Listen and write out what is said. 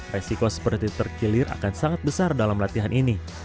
resiko seperti terkilir akan sangat besar dalam latihan ini